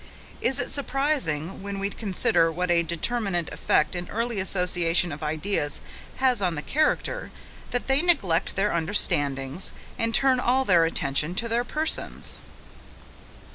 Is it surprising, when we consider what a determinate effect an early association of ideas has on the character, that they neglect their understandings, and turn all their attention to their persons?